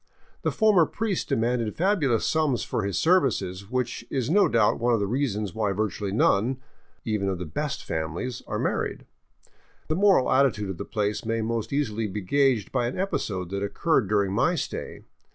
The former priest demanded fabulous sums for his services, which is no doubt one of several reasons why virtually none, even of the '*best families," are married. The moral attitude of the place may most easily be gaged by an episode that occurred during my stay.